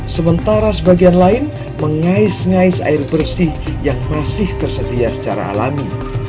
sementara sebagian lain mengais ngais air bersih yang masih tersedia secara alami